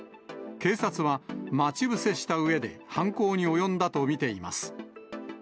警察は、待ち伏せしたうえで犯行に及んだと見ています。